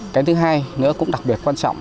cái thứ hai nữa cũng đặc biệt quan trọng